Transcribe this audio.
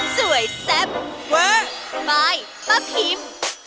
สวยแซ่บเว้ยไปป๊าพิม